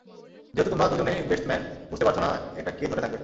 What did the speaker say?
যেহেতু তোমরা দুজনেই বেস্টম্যান, বুঝতে পারছি না এটা কে ধরে থাকবে।